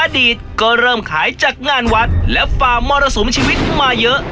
อดีตก็เริ่มขายจากงานวัดและฝ่ามรสุมชีวิตมาเยอะ